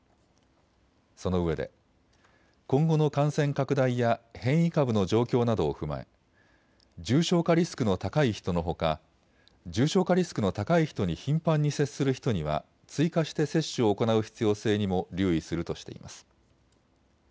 そのうえで今後の感染拡大や変異株の状況などを踏まえ重症化リスクの高い人のほか重症化リスクの高い人に頻繁に接する人には追加して接種を行う必要性にも留意するとしています。